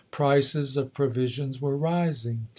Prices of provisions were rising.